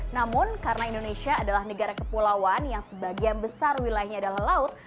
namun karena indonesia adalah negara kepulauan yang sebagian besar wilayahnya adalah laut